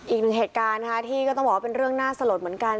อีกหนึ่งเหตุการณ์นะคะที่ก็ต้องบอกว่าเป็นเรื่องน่าสลดเหมือนกัน